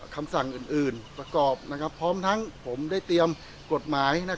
คำสั่งอื่นประกอบพร้อมทั้งผมได้เตรียมกฎหมาย